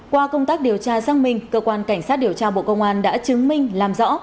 qua công tác điều tra xăng minh cơ quan cảnh sát điều tra bộ công an đã chứng minh làm rõ